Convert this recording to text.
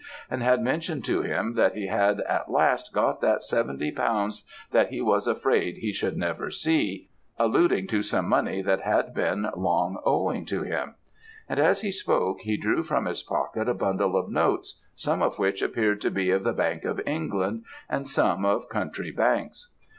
and had mentioned to him that he had 'at last got that seventy pounds that he was afraid he should never see;' alluding to some money that had been long owing to him; and as he spoke, he drew from his pocket a bundle of notes, some of which appeared to be of the Bank of England, and some of country banks.